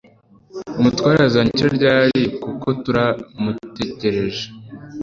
Umutware azanyica ryari kuko tura mutejyereje.